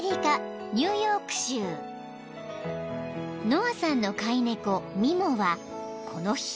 ［ノアさんの飼い猫ミモはこの日］